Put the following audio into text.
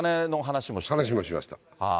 話もしました。